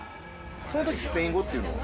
そのときスペイン語っていうのは？